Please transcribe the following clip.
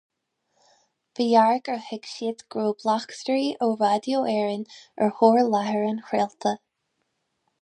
Ba ghearr gur thuig siad go raibh bleachtairí ó Raidió Éireann ar thóir láthair an chraolta.